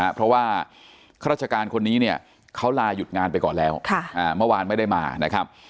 เพราะว่าข้าราชการคนนี้เนี่ยเขาลาหยุดงานไปก่อนแล้วเมื่อวานไม่ได้มานะครับ